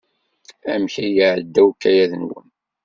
Amek ay iɛedda ukayad-nwen?